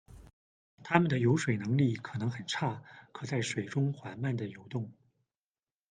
它们的游水能力可能很差，可在水中缓慢地游动。